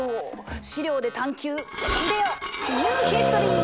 資料で探求いでよニューヒストリー！